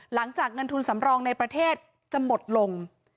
หลังจากเงินทุนสำรองในประเทศจะหมดลง